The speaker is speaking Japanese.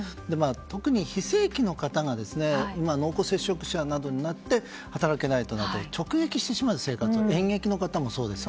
特に非正規の方が今、濃厚接触者などになって働けないとなると生活を直撃してしまうんです。